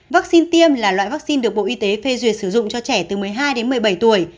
vaccine tiêm là loại vaccine được bộ y tế phê duyệt sử dụng cho trẻ từ một mươi hai đến một mươi bảy tuổi